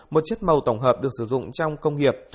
một chất màu tổng hợp được sử dụng trong công nghiệp